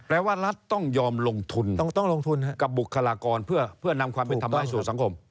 แปลว่ารัฐต้องยอมลงทุนกับบุคลากรเพื่อนำความเป็นทำไม่สูงสังคม